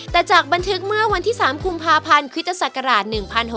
แต่จากบันทึกเมื่อวันที่๓กุมภาพันธ์คริสตศักราช๑๖๖